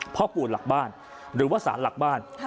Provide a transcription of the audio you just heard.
พ่อปู่หลักบ้านหรือว่าสารหลักบ้าน